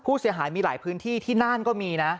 ผู้เสียหายมีหลายพื้นที่ที่น่านก็มีนะ